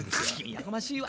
やかましいわ！